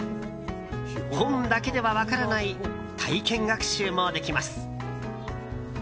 本だけでは分からない体験学習もできます。